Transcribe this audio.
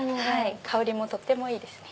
香りもとってもいいですね。